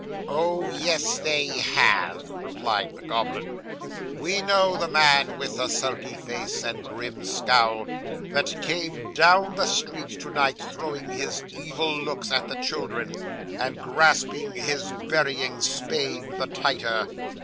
'"Oh, yes, they have," replied the goblin; "we know the man with the sulky face and grim scowl, that came down the street to night, throwing his evil looks at the children, and grasping his burying spade the tighter.